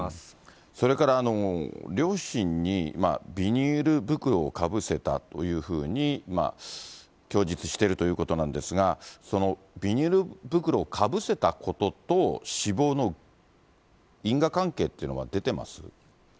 それから、両親にビニール袋をかぶせたというふうに供述しているということなんですが、そのビニール袋をかぶせたことと、死亡の因果関係っていうのは出てます？